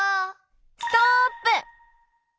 ストップ！